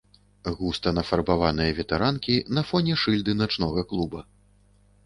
Густа нафарбаваныя ветэранкі на фоне шыльды начнога клуба.